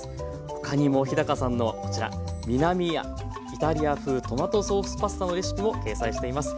ほかにも日さんのこちら南イタリア風トマトソースパスタのレシピも掲載しています。